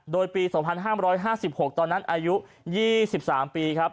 โดยปี๒๕๕๖ตอนนั้นอายุ๒๓ปีครับ